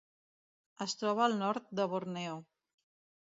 Es troba al nord de Borneo.